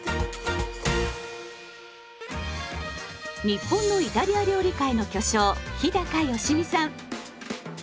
日本のイタリア料理界の巨匠日良実さん。